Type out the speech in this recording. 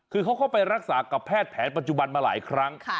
คือเขาเข้าไปรักษากับแพทย์แผนปัจจุบันมาหลายครั้ง